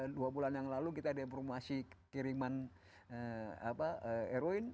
dua bulan yang lalu kita ada informasi kiriman airwain